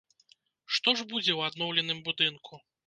Што ж будзе ў адноўленым будынку?